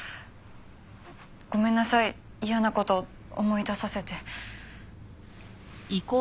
ごめんなさい嫌な事思い出させて。